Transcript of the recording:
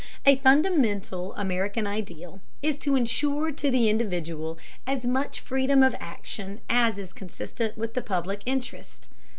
A fundamental American ideal is to insure to the individual as much freedom of action as is consistent with the public interest.